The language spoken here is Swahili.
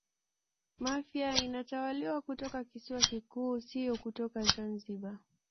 Mafia inatawaliwa kutoka kisiwa kikuu sio kutoka Zanzibar